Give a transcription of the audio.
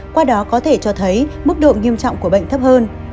qua đó có thể cho thấy mức độ nghiêm trọng của bệnh thấp hơn